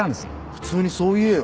普通にそう言えよ。